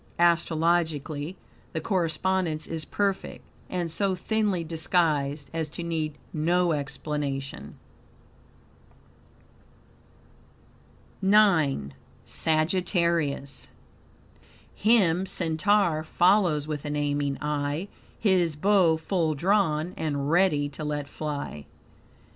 Astrologically the correspondence is perfect, and so thinly disguised as to need no explanation. IX. Sagittarius "Him Centaur follows with an aiming eye, His bow full drawn, and ready to let fly."